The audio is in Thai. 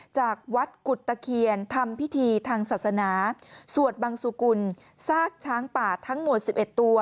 จากวัดกุฎตะเคียนทำพิธีทางศาสนาสวดบังสุกุลซากช้างป่าทั้งหมด๑๑ตัว